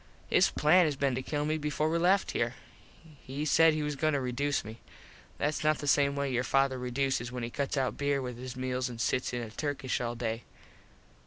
His plan has been to kill me before we left here. He said he was goin to reduce me. Thats not the same way your father reduces when he cuts out beer with his meals an sits in a Turkish all day.